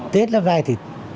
tết năm nay thì